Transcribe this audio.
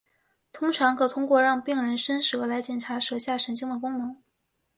通常可通过让病人伸舌来检查舌下神经的功能。